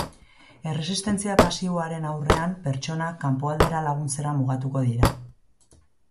Erresistentzia pasiboaren aurrean, pertsonak kanpoaldera laguntzera mugatuko dira.